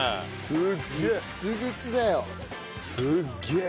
すっげえ！